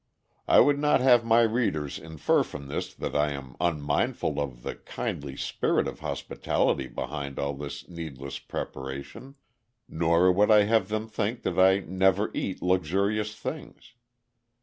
I would not have my readers infer from this that I am unmindful of the kindly spirit of hospitality behind all of this needless preparation; nor would I have them think that I never eat luxurious things.